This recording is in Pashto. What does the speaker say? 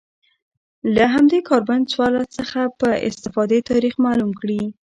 له همدې کاربن څوارلس څخه په استفادې تاریخ معلوم کړي